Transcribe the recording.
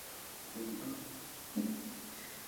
是第一次国共内战主要战斗之一。